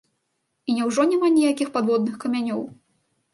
І няўжо няма ніякіх падводных камянёў?